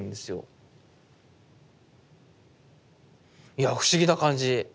いや不思議な感じ。